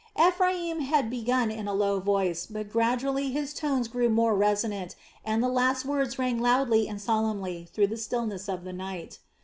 Ephraim had begun in a low voice, but gradually his tones grew more resonant and the last words rang loudly and solemnly through the stillness of the night.